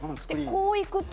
こういくと。